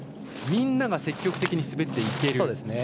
みんなが積極的に滑っていける。